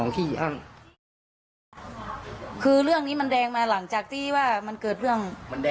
คือเรื่องนี้มันแดงมาหลังจากที่ว่ามันเกิดเรื่อง